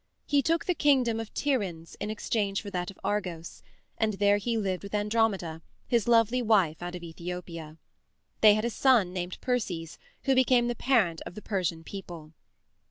He took the kingdom of Tiryns in exchange for that of Argos, and there he lived with Andromeda, his lovely wife out of Ethopia. They had a son named Perses who became the parent of the Persian people.